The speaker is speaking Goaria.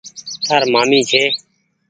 تآر مآمي ڇي۔